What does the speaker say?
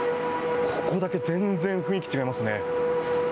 ここだけ全然雰囲気違いますね。